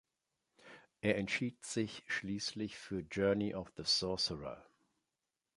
Er entschied sich schließlich für "Journey of the Sorcerer".